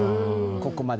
ここまで。